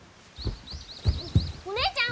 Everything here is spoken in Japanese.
お姉ちゃん